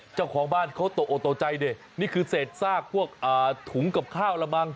เจ้าของบ้านเขาโตใจดินี่คือเศษซากพวกถุงกับข้าวละมั้ง